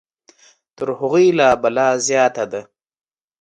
تر هغوی لا بلا زیاته ده.